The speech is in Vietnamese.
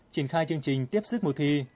triển khai chương trình tiếp sức mùa thi